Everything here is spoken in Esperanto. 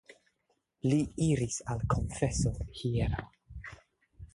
Li iris al konfeso hieraŭ.